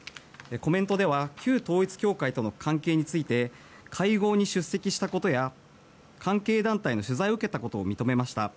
コメントでは旧統一教会との関係について会合に出席したことや関係団体の取材を受けたことを認めました。